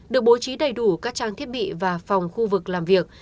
được bố trí đầy đủ các trang thiết bị và phòng khu vực làm việc